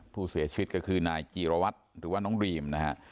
ผู้เสียชีวิตก็คือนายจีรวัตรหรือว่าน้องดรีมนะฮะ